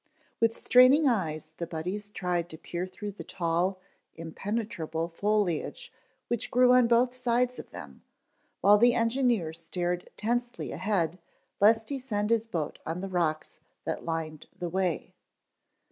With straining eyes the Buddies tried to peer through the tall, impenetrable foliage which grew on both sides of them, while the engineer stared tensely ahead lest he send his boat on the rocks that lined the way.